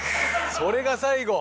それが最後！？